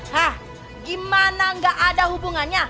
hah gimana gak ada hubungannya